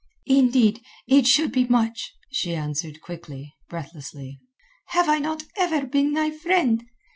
"Indeed, it should be much," she answered quickly, breathlessly. "Have I not ever been thy friend?